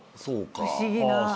そうか。